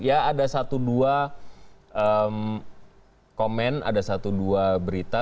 ada satu dua komen ada satu dua berita